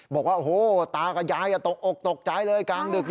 บอกว่าโอ้โหตากับยายตกอกตกใจเลยกลางดึก